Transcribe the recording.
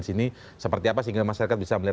sini seperti apa sehingga masyarakat bisa melihat